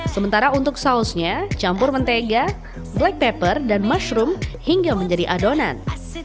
sementara untuk sausnya campur mentega black pepper dan mushroom hingga menjadi adonan